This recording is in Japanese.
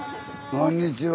こんにちは。